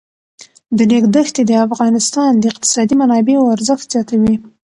د ریګ دښتې د افغانستان د اقتصادي منابعو ارزښت زیاتوي.